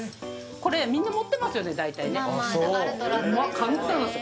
これみんな持ってますよね大体ねああそう簡単なんですよ